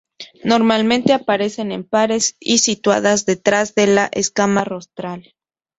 Normalmente aparecen en pares y situadas detrás de la escama rostral.